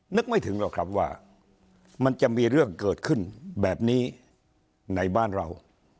นึกไม่ถึงหรอกครับว่ามันจะมีเรื่องเกิดขึ้นแบบนี้ในบ้านเรา